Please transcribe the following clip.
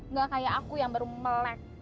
nggak kayak aku yang baru melek